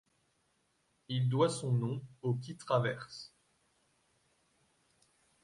Il doit son nom au qui traverse.